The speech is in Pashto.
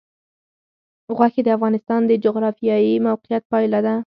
غوښې د افغانستان د جغرافیایي موقیعت پایله ده.